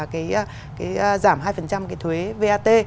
giảm hai cái thuế vat